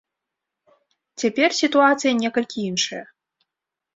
Цяпер сітуацыя некалькі іншая.